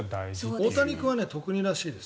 大谷君は特にらしいです。